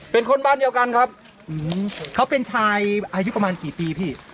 เป็นคนบ้านเดียวกันครับเขาเป็นชายอายุประมาณกี่ปีพี่